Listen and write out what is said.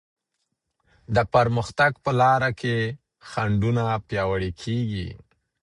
د پرمختګ په لاره کي خنډونه پیاوړې کيږي.